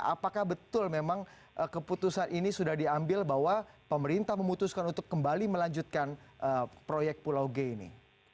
apakah betul memang keputusan ini sudah diambil bahwa pemerintah memutuskan untuk kembali melanjutkan proyek pulau g ini